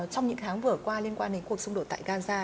trong những tháng vừa qua liên quan đến cuộc xung đột tại gaza